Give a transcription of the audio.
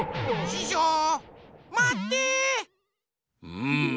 うん。